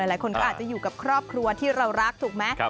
หลายคนก็อาจจะอยู่กับครอบครัวที่เรารักถูกไหม